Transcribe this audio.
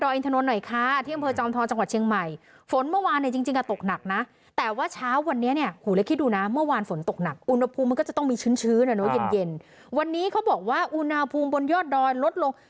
โดยอินทรนดรหน่อยคะเที่ยงเมืองจอมทร